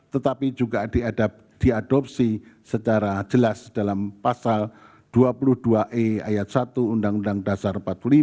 tetapi juga diadopsi secara jelas dalam pasal dua puluh dua e ayat satu undang undang dasar empat puluh lima